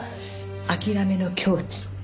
諦めの境地って。